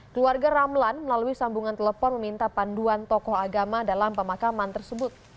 keluarga ramlan melalui sambungan telepon meminta panduan tokoh agama dalam pemakaman tersebut